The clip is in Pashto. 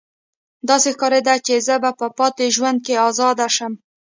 داسې ښکاریده چې زه به په پاتې ژوند کې ازاده شم